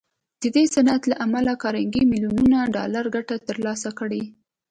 د دې صنعت له امله کارنګي ميليونونه ډالر ګټه تر لاسه کړه.